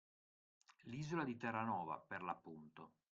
L’isola di Terranova per l’appunto.